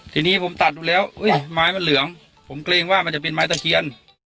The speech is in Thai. ทีนี้ผมตัดดูแล้วไม้มันเหลืองผมเกรงว่ามันจะเป็นไม้ตะเคียน